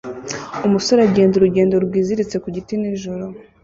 Umusore agenda urugendo rwiziritse ku giti nijoro